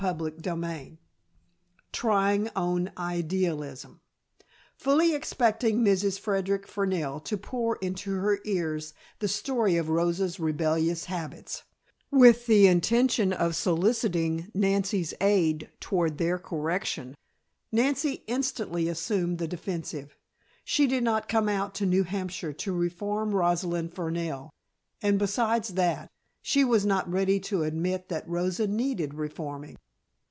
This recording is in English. CHAPTER XI TRYING ON IDEALISM Fully expecting Mrs. Frederic Fernell to pour into her ears the story of Rosa's rebellious habits, with the intention of soliciting Nancy's aid toward their correction, Nancy instantly assumed the defensive. She did not come out to New Hampshire to reform Rosalind Fernell, and besides that, she was not ready to admit that Rosa needed reforming.